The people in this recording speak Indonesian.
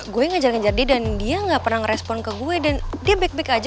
gue ngejar ngejar dia dan dia gak pernah ngerespon ke gue dan dia back back aja